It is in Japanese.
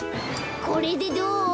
これでどう？